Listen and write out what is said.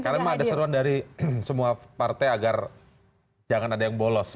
karena ada seruan dari semua partai agar jangan ada yang bolos